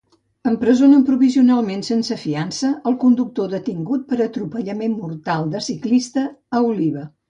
Empresonen provisionalment sense fiança el conductor detingut per atropellament mortal de ciclista a Oliva